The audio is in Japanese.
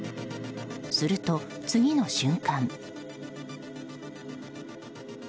すると、次の瞬間。